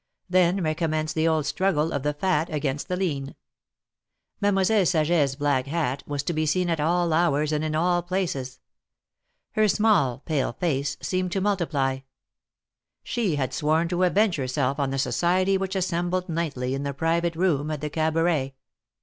Then recommenced the old struggle of the Fat against the Lean. Mademoiselle Saget's black hat was to be seen at all hours THE IklAEKETS OF PARIS. 255 and ill all places. Her small, pale face seemed to multi ply. She had sworn to avenge herself on the society which assembled nightly in the private room at the Cabaret.